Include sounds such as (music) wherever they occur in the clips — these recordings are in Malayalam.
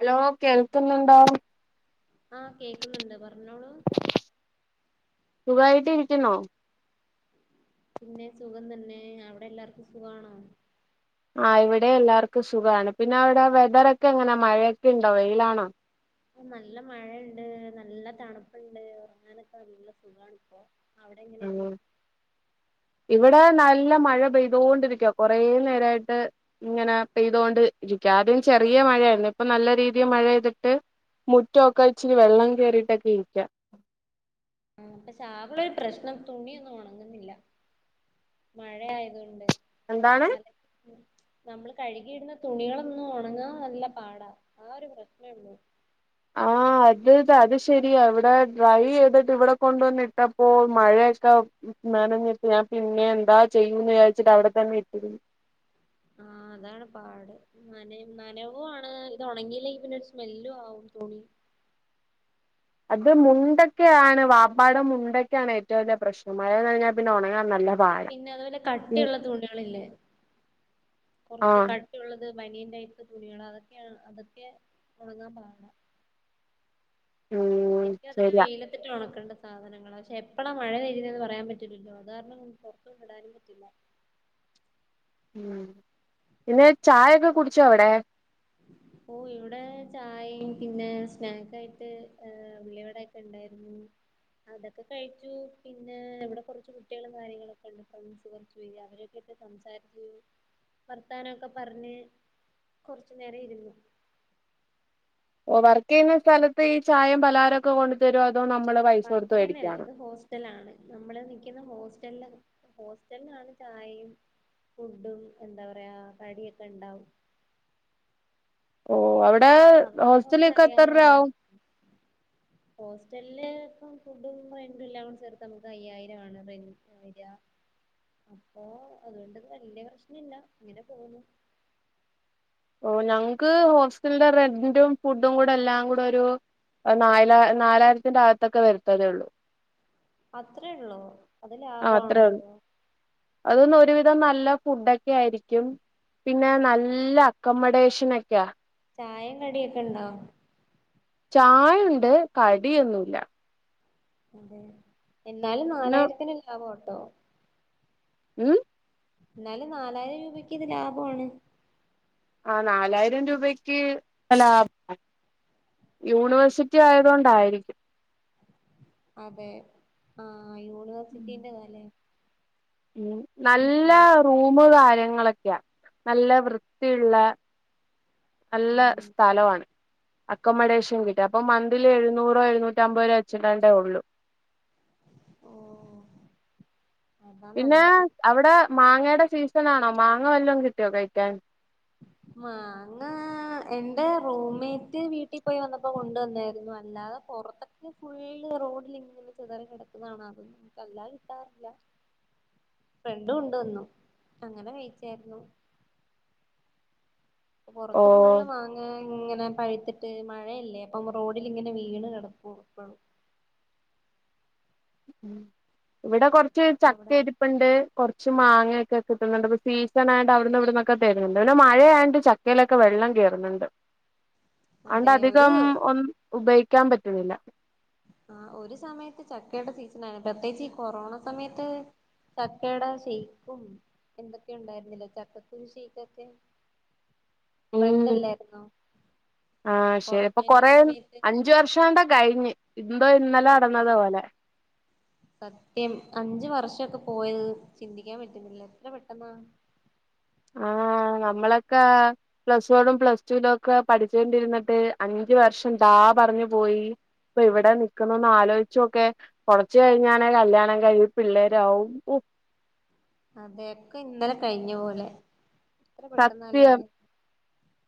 ഹലോ കേൾക്കുന്നുണ്ടോ ആ കേക്ക് ന്ന്ണ്ട് പർഞ്ഞോളൂ സുഖായിട്ടിരിക്കുന്നോ പിന്നെ സുഖം തന്നെ അവിടെ ല്ലാർക്കും സുഖമാണോ ആ ഇവിടേം എല്ലാവർക്കും സുഖാണ്. പിന്നെ അവിടെ വെതറൊക്കെ എങ്ങനെയാ മഴേക്കെ ഇണ്ടോ വെയിലാണോ? നല്ല മഴയുണ്ട് നല്ല തണുപ്പുണ്ട് ഒറങ്ങാനൊക്കെ നല്ല സുഖമാണിപ്പോ- അവിടെ എങ്ങനെയാ- ഉം. ഇവിടെ നല്ല മഴ പെയ്തൊണ്ടിരിക്കുവ കൊറെ നേരവായിട്ട് ഇങ്ങനെ പെയ്തൊണ്ടിരിക്കുവ ആദ്യം ചെറിയ മഴയാരുന്നു ഇപ്പം നല്ല രീതിയിൽ മഴപെയ്തിട്ട് മുറ്റമൊക്കെ ഇച്ചിരി വെള്ളം കയറിട്ടൊക്കെ ഇരിക്ക്വാ- പക്ഷേ ആകെയുള്ളൊരു പ്രശ്നം തുണിയൊന്നും ഒണങ്ങുന്നില്ല മഴ ആയതുകൊണ്ട്- എന്താണ് അതെ- നമ്മൾ കഴുകിയിടുന്ന തുണികളൊന്നും ഒണങ്ങാൻ നല്ല പാട ആ ഒരു പ്രശ്നവൊണ്ട്- ആ അത് അതുശരിയാ ഇവിടെ ഡ്രൈ ചെയ്തിട്ട് ഇവിടെ കൊണ്ട് വന്ന് ഇട്ടപ്പോ മഴയൊക്കെ നനഞ്ഞിട്ട് ഞാൻ പിന്നെ എന്താ ചെയ്യൂന്ന് വിചാരിച്ചിട്ട് അവിടെ തന്നെ ഇട്ടിരി ആ അതാണ് പാട് നന നനവുവാണ് ഇത് ഉണങ്ങീല്ലെങ്കിൽ പിന്നെ ഒരു സ്‌മെല്ലും ആവും തുണി- അത് മുണ്ടൊക്കെ ആണ് വാപ്പാടെ മുണ്ടെക്കെ ആണ് ഏറ്റവും വലൃ പ്രശ്നം മഴ നനഞ്ഞാൽ പിന്നെ ഒണങ്ങാൻ നല്ല പാടാ പിന്നെ അത് പോലെ കട്ടിയുള്ള തുണികളില്ലേ കൊറച്ച് ആഹ് കട്ടിയുള്ളത്- ബനിയൻ ടൈപ്പ് തുണികൾ അതൊക്കെ അതൊക്കെ ഒണങ്ങാൻ പാടാ- ഉം (unintelligible) ശരിയാ വെയിലത്തിട്ട് ഒണക്കണ്ട സാധനങ്ങള പക്ഷേ എപ്പളാമഴ വരുന്നേന്ന് പറയാൻ പറ്റില്ലല്ലോ അതുകാരണം പൊറത്തോട്ട് ഇടാനും പറ്റില്ല- ഉം- പിന്നെ ചായയക്കെ കുടിച്ചോ അവ്ടെ? ഓ ഇവിടെ ചായയും പിന്നെ സ്നാക്കയിട്ട് ഉള്ളിവടയൊക്കെ ഉണ്ടായിരുന്നു അതൊക്കെ കഴിച്ചു പിന്നെ ഇവിടെ കൊറച്ചു കുട്ടികളും കാര്യങ്ങളൊക്കെ ഉണ്ട് ഫ്രെണ്ട്സ് കോറച്ചു പേരു അവരൊക്കെ ആയിട്ട് സംസാരിച്ചു വർത്താനമൊക്കെ പറഞ്ഞു കൊർ റച്ച്നേരം ഇരുന്നു- ഓ വർക് ചെയ്യുന്ന സ്ഥലത്ത് ഈ ചായയും പലഹാരവുവൊക്കെ കൊണ്ട് തരുമോ അ വർക്ക് ചെയ്യുന്നല്ല ഇത് ഹോസ്റ്റലാണ് നമ്മള് നിൽക്കുന്ന ഹോസ്റ്റലിലെ- ഹോസ്റ്റൽന്ന് നാല് ചായിം ഫുഡും എന്ത പറയാ കടിയൊക്കെ ണ്ടാവും ഓ ഏഹ് ഹോസ്റ്റലികെത്ര രൂപയാകും ഹോസ്റ്റൽല് പ്പം ഫുഡും റെന്റും എല്ലാകൂടെ ചേർത്ത മക് അയ്യായിരാണ് റെന്റ് വര അപ്പോ അതോണ്ട് വല്യപ്രശ്നല്ല ഇങ്ങനെ പോകുന്നു ഓ ഞങ്ങക്ക് ഹോസ്റ്റൽന്റെ റെന്റും ഫുഡും കൂടെ എല്ലാം കൂടെ ഒരു നാല നാലായിരത്തിന്റെ അകത്തൊക്കെ വരുത്തതേ ഉള്ളൂ അത്രേ ഉള്ളു അത് ലാഭാണല്ലോ ഒരു വിധം നല്ല ഫുഡ് ഒക്കെ ആയിരിക്കും പിന്നെ നല്ല അക്കമഡേഷൻ ഒക്കെയാ ചായയും കടിയൊക്കെ ഉണ്ടോ ചായ ഉണ്ട് കടിഒന്നുല്ല അതെ എന്നാലും പിന്നെ നാലായിരത്തിന് ലാഭമാണ് ത്തോ ഉം എന്നാലും നാലായിരം രൂപക്ക് ഇത് ലാഭാണ് ആഹ് നാലായിരം രൂപക്ക് അത് ലാഭം യൂണിവേഴ്സിറ്റി ആയത് കൊണ്ടായിരിക്കും അതെ ആഹ് ആഹ് യൂണിവേഴ്സിറ്റിന്റ താല്ലേ നല്ല റൂമ് കാര്യ ളങ്ങക്കെയാ നല്ല വൃത്തിയുള്ള ഉം നല്ല ഉം സ്ഥലവാണ് അക്കൊമഡേഷൻ കിട്ടി അപ്പം മന്ത്ലി എഴുന്നൂറൊ എഴുന്നൂറ്റംമ്പത് രൂവ വെച്ച് ഇങ്ങാണ്ടേ ഒള്ളു ഓഹ് പിന്നേ അവിടെ മാങ്ങയുടെ സീസൺ ആണോ മാങ്ങ വല്ലോം കിട്ട്യോ കഴിക്കാൻ മാങ്ങാ എന്റെ റൂമീറ്റി വീട്ടി പോയി വന്നപ്പൊ കൊണ്ട് വന്നേയിരുന്നു അല്ലാതെ പൊറത്ത്ക്ക് ഫുള്ള് റോഡിലിങ്ങനെ ചിതറി കിടക്ക്ന്ന കാണാം അല്ലാതെ കിട്ടാനില്ല ഫ്രണ്ട് കൊണ്ട് വന്നു അങ്ങനെ കഴിച്ചേരുന്നു ഓ പൊറത്ത് ഫുള്ള് മാങ്ങേ ഇങ്ങനെ പഴുത്തിട്ട് മഴയല്ലേ അപ്പം റോഡിലിങ്ങനെ വീണ് കെടക്കു വാ ഇവടെ ച്ച് ചക്ക അവിടെ ഇരുപ്പ്ണ്ട് കൊറ്ച്ച് ച്ച് മാങ്ങ ഒക്കെ കിട്ട്ണ് ണ്ട് സീണായോണ്ട് അവിട്ന്നു ഇവിടുന്നൊക്കെ തര്ന്ന്ണ്ട് ന്ന മഴെ ആയോണ്ട് ചക്കേലെക്കെ വെള്ളം കേറ്ന്ന്ണ്ട് ആണ്ട അതെ ഒരു അധികം ഒന്ന്‌ ഉപയിക്കാൻ പറ്റ്ണില്ല ആഹ് ഒര് സമയത്ത് ചക്കയുടെ സീസൺ ആയിന്നു പ്രത്യേയിച്ച് ഈ കൊറോണ സമയത്ത് ചക്കയ്ടെ ഷേയ്ക്കും എന്തൊക്കെ ഇണ്ടായിരുന്നില്ലേ ചക്കക്കുരു ഷേയ്ക്കൊക്കെ ഉം ആഹ് ശെരി ഇപ്പ കൊറോണന്റെ കൊറേ സമയത്ത് അഞ്ചു വർഷം (unintelligible) ങ്ങോണ്ട കഴിഞ്ഞെ സത്യം അഞ്ച് വർഷം പോയത് ചിന്തിക്കാ പറ്റുന്നില്ല എത്ര പെട്ടന്നാ ആഹ് നമ്മളൊക്ക പ്ലസ് വണ്ണും പ്ലസ്ടുലൊക്കെ പഠിച്ചോണ്ടിരുന്നിട്ട് അഞ്ചു വർഷം ദാ പറഞ്ഞു പോയി ഇപ്പ ഇവടെ നിക്കുന്നു ഒന്നാലോയ്ച്ചോക്കെ കൊറച്ച് കഴിഞ്ഞാണെ കല്യാണം കഴിഞ്ഞ് പിള്ളേരാവും അതെ ഒക്കെ ഇന്നലെ കഴിഞ്ഞ പോലെ. എത്ര പെട്ടന്നാല്ലേ സത്യം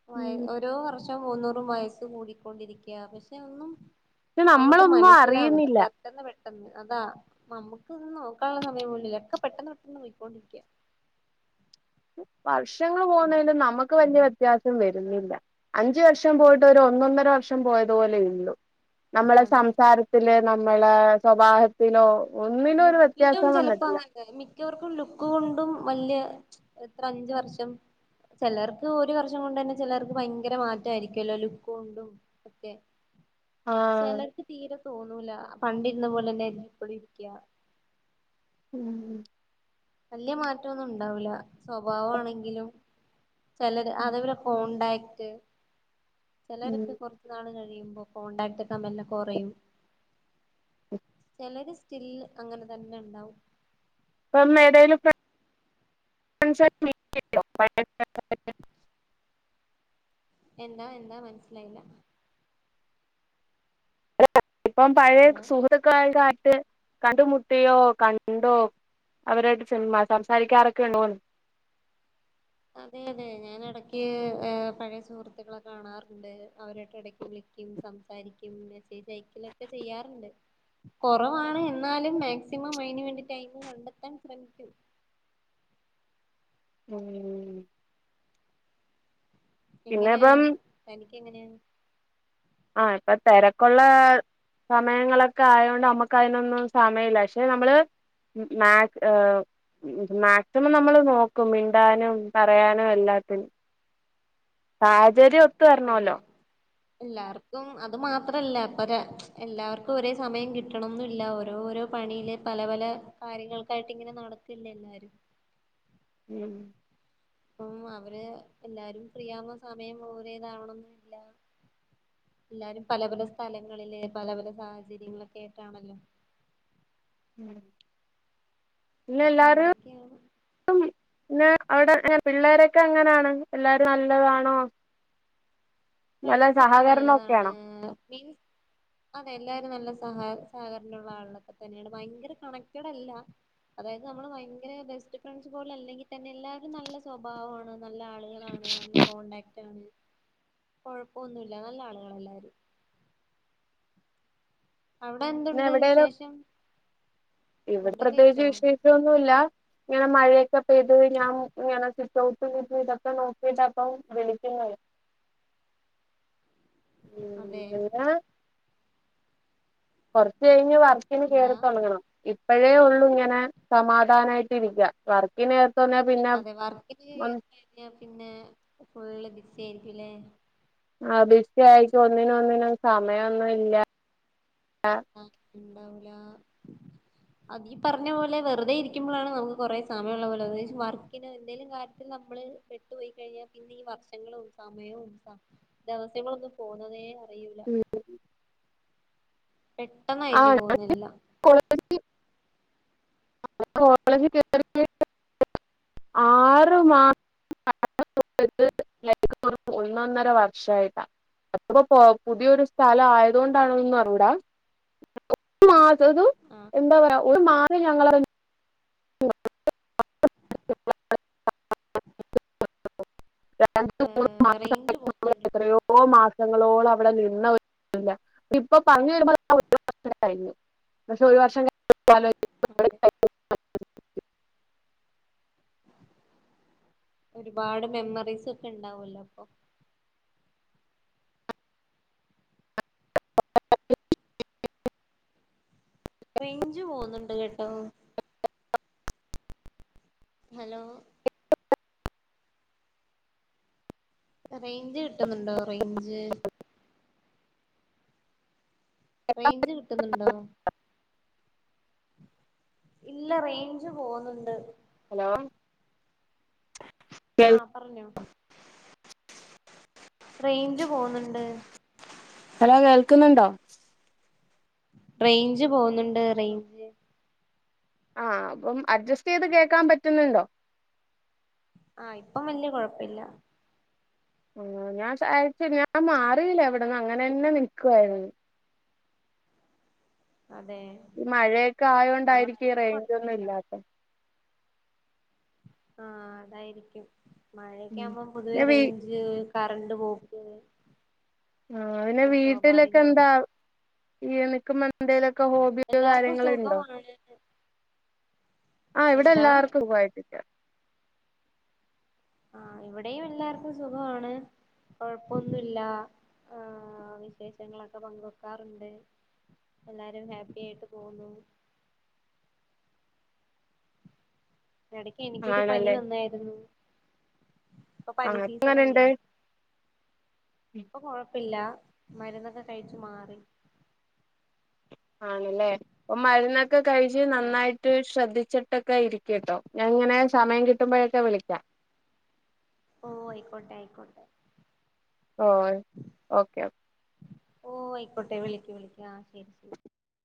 പോയേ ഉം ഓരോ വർഷ ഷം പോന്തോറും വയസ് കൂടിക്കൊണ്ടിരിക്ക പക്ഷേ ഒന്നും പക്ഷെ അങ്ങോട്ട് നമ്മളൊന്നും മനസ്സിലാവുന്നില്ല അറിയുന്നില്ല പെട്ടന്ന് പെട്ടന്ന് അതാ നമ്മക്ക് ഇതൊന്നും നോക്കാള്ള സമയം കൂടില്ല ഒക്കെ പെട്ടന്ന് പെ പൊയിക്കൊണ്ടിരിക്ക്യ വർഷങ്ങള് പോന്നേലും നമക്ക് വെല്ല്യ വ്യത്യാസം വരുന്നില്ല അഞ്ചു വർഷം പോയിട്ട് ഒരൊന്നൊന്നര വർഷം പോയത് പോലെ ള്ളു. നമ്മളെ അതെ സംസാരത്തില് നമ്മളെ സ്വഭാവത്തിലോ ഒന്നിലും ഒരു ലുക്കിലും വ്യത്യാസം ചെലപ്പോ വന്നിട്ടില്ല അങ്ങൻതെന്നെ മിക്കവർ ക്കും ലുക്ക് കൊണ്ടും വെല്യ എത്ര അഞ്ച് വർഷം ചെലർക്ക് ഒരു വർഷം കൊണ്ടെന്നെ ചെലർക്ക് ഭയങ്കര മാറ്റായിരിക്കുല്ലോ ലുക്ക് കൊണ്ടും ക്കെ ആഹ് ചെലർക്ക് തീരെ തോന്നൂല്ല പണ്ടിര്ന്ന പോലെന്നെ ഇപ്പളിരി ക്യാ ഉം വല്യ മാറ്റൊന്നുണ്ടാവൂല്ല സ്വഭാവാണെങ്കിലും ചെലര് അത്പോലെ കോൺണ്ടാ റ്റ് ഉം ചെലരൊക്കെ കൊറച്ച് നാൾ കഴി ചെയ്യുമ്പോ കോൺടാക്റ്റൊക്കെ മെല്ലെ കൊറയും. ചെലര് സ്റ്റിൽ അങ്ങനെ തന്നെ ഇണ്ടാവും. (unintelligible) ഏതെലും ഫ്രഡ്സായിട്ട് മീറ്റെയ്യോ പഴെ ഫ്രഡ് (unintelligible) എന്താ എന്താ മനസ്സിലായില്ല. (unintelligible) ഇപ്പം പഴെ ഹലോ സുഹൃത്തുക്കൾ ആയിട്ട് ആരും ട്ട് കണ്ട്മുട്ടിയോ? കണ്ടോ? അവരു ആയിട്ട് ചുമ്മാ സംസാരിക്കാറൊക്കെയുണ്ടോന്ന് അതെയതെ. ഞാനെടക്ക് ഏ പഴെ സുഹൃത്ത്ക്കളെ കാണാറ്ണ്ട്, അവരു ആയിട്ട് എടക്ക് വിളിക്കും, സംസാരിക്കും എ സ്സേജ് അയക്കലൊക്കെ ചെയ്യാറ്ണ്ട്. കൊറവാണ് എന്നാലും മാക്സിമം അയിന് വേണ്ടി ടൈമ് കണ്ടെത്താൻ ശ്രമിക്കും. മ്മ് എങ്ങനെയാ ഇപ്പം തനി ക്ക് എങ്ങനെയാ? ആ ഇപ്പ തെരക്കുള്ള സമയങ്ങളൊക്കെ ആയോണ്ട് അമ്മക്ക് അയിനൊന്നും സമയില്ല. പക്ഷെ നമ്മൾ മാക്സ് ഹ്, മാക്സിമം നമ്മള് നോക്കും, മിണ്ടാനും പറയാനും എല്ലാത്തിനും. സാഹചര്യം ഒത് ത്ത് അതെ വര്ണോല്ലോ? എല്ലാർക്കും. അത് മാത്രല്ല ഇപ്പരെ എല്ലാർക്കും ഒരേ സമയം കിട്ടണംന്നുല്ല ഓരോ ഓരോ പണിയില് പല പല കാര്യങ്ങൾക്കായിട്ടിങ്ങനെ നടക്കല്ലേ എല്ലാരും. ഉം ഉം അവര് എല്ലാരും ഫ്രീയാവ്ന്ന സമയം ഒരെത് ആവണംന്നുല്ല. എല്ലാരും പല പല സ്ഥലങ്ങളില്, പല പല സാഹചര്യങ്ങളൊക്കെയായിട്ടാണല്ലോ? മ്മ് ഇങ്ങനൊക്കെയാണ് ന്നാ അയുടെ എങ്ങ പിള്ളേരൊക്കെ എങ്ങെനാണ്? എല്ലാരും നല്ലതാണോ? നല്ല ഫ്രണ്ട്സൊക്കെ സഹകരണം നല്ലതാണ്. ഒക്കെയാണോ മീൻസ്, അതെ എല്ലാരും നല്ല സഹ സഹകരണയുള്ള ആളുകളൊക്കെത്തന്നെയാണ്. ഭയങ്കര കണക്റ്റഡല്ല. അതായത് നമ്മൾ ഭയങ്കര ബെസ്റ്റ് ഫ്രണ്ട്സ് പോലെ അല്ലെങ്കിൽ തന്നെ എല്ലാരും നല്ല സ്വഭാവാണ്. നല്ല ആൾകളാണ് നല്ല കോൺടാക്റ്റാണ്. കൊഴപ്പൊന്നുല്ല. നല്ല ആൾകളാ എല്ലാവരും. ഇന്ന് എവ്ടെലും വിശേഷം ഇവടെ ഫുഡൊക്കെ പ്രത്യേകിച്ച് കഴിച്ചോ വിശേഷൊന്നും ഇല്ല ഇങ്ങനെ മഴയെ ക്കെ പെയ്ത് കഴിഞ്ഞാ ഇങ്ങനെ ഒക്കെ (unintelligible) ഇതൊക്കെ നോക്കിട്ടാ ഇപ്പം വിളിക്ക്ന്നെയ് ഉം അതെ എന്താ കൊർച്ച് കഴിഞ്ഞ് വർ ക്കിന് എന്താ കേറി തൊടങ്ങണം ഇപ്പഴേ ഒള്ളു ഇങ്ങനെ സമാധാനായിട്ട് ഇരിക്ക വർക്കിൻ അതെ വർക്ക്ന് ചെയ്യാൻ കേറിയാ പിന്നെ ഫുള്ള് ബിസി സി ആയിരിക്കും ലെ ആ (unintelligible) ഒന്നിനും ഒന്നിനും സമയംഒന്നും ഇല്ല ആഹ് ണ്ടാവല അത് ഈ പറഞ്ഞ പോലെ വെറുതെ ഇരിക്കുമ്പോഴാണ് നമുക്ക് കൊറെ സമയമുള്ള പോലെ വർക്കിന് എന്തെലും കാര്യത്തിൽ നമ്മള് പെട്ടുപോയി കഴിഞ്ഞാൽ പിന്നെ ഈ വർഷങ്ങളും സമയവും ദിവസങ്ങളൊന്ന പോന്നതേ (unintelligible) ഉം പെട്ടെന്നായിരിക്കും പോകുന്നത് എല്ലാം കോളേജ് കോളേജ് ആറ് മാസ ഒന്നൊന്നര വർഷമായിട്ടാണ് അപ്പോ പുതിയൊരു സ്ഥലം ആയതൊണ്ടാണും അറിഞ്ഞൂടാ മാസം ആഹ് എന്താ പറയാ ഒരു മാസം ഞങ്ങളറി ര റേഞ്ച് മൂന്ന് പോകുന്നുണ്ട്ട്ടോ എത്രയോ മാസങ്ങളോളം അവിടെ ഇപ്പ പറഞ്ഞു വരുമ്പോ പക്ഷെ ഒരു വർഷം ഓക്കെ (unintelligible) ഒരുപാട് മെമ്മറീസ് ഒക്കെ ഉണ്ടാവല്ലോ അപ്പൊ റേഞ്ച് പോന്നുണ്ട് കേട്ടോ ഹലോ റേഞ്ച് കിട്ടുന്നുണ്ടോ റേഞ്ച് റേഞ്ച് കിട്ടുന്നുണ്ടോ ഇല്ല റേഞ്ച് പോകുന്നുണ്ട് ഹലോ ആഹ പറഞ്ഞോ റേഞ്ച് പോകുന്നുണ്ട് ഹലോ കേൾക്കുന്നുണ്ടോ റേഞ്ച് പോകുന്നുണ്ട് റേഞ്ച് ആ അപ്പം അഡ്ജസ്റ്റ് ചെയ്ത് കേൾക്കാൻ പറ്റുന്നുണ്ടോ ആഹ് ഇപ്പം വല്യ കുഴപ്പില്ല ആ ഞാൻ ഞാൻ മാറിയില്ല എവിടന്ന് അങ്ങനെ തന്നെ നിൽക്കുഅയിരുന്നു അതെ ഈ മഴയൊക്കെ ആഹ് ആയൊണ്ടായിരിക്കും ഈ ഇപ്പൊ റേഞ്ച് ഒന്നും കൊഴപ്പില്ല ഇല്ലാത്ത ആഹ അതായിരിക്കും മഴക്കെ ഉം ആവുമ്പോം പൊതുവെ പിന്നെ വീ റേഞ്ച് കറണ്ട് പോക്ക് ആ പിന്നെ ഒക്കെ വീട്ടിലൊക്കെ സ്വാഭാവികമാണ് എന്താ (unintelligible) എന്തേലുമൊക്കെ ഹോബിയോ എല്ലാർക്കും കാര്യങ്ങളോ ഉണ്ടോ സുഖമാണ് ആ ഇവിടെ എന്താ എല്ലാർക്കും സുഖായിട്ട് ഇരിക്കാണ് ആ ഇവിടെയും എല്ലാർക്കും സുഖവാണ് കുഴപ്പൊന്നുല്ല വിശേഷങ്ങൾ ഒക്കെ പങ്ക് വെയ്ക്കാറുണ്ട് എല്ലാരും ഹാപ്പി ആയിട്ട് പോന്നു ഇടയ്ക്ക് എനിക്ക് ഒരു പനി ആണല്ലേ വന്നാരുന്നു ഇപ്പം പനി ആഹ് സീസൺ അല്ലേ എങ്ങനുണ്ട് ഇപ്പം കുഴപ്പമില്ല മരുന്ന് ഒക്കെ കഴിച്ച് മാറി ആണല്ലേ ഇപ്പം മരുന്ന് ക്കെ കഴിച്ച് നന്നായിട്ട് ശ്രദ്ധിച്ചി ട്ടൊക്കെ ഇരിക്ക് കേട്ടോ ഞാ ഇങ്ങനെ സമയം കിട്ടുമ്പോഴൊക്കെ വിളിക്കാം ഓ ആയിക്കോട്ടെ ആയിക്കോട്ടെ ഓഹ് ഓക്കേ ഓക്കേ ഓഹ് ആയിക്കോട്ടെ വിളിക്ക് വിളിക്ക് ആഹ് (unintelligible)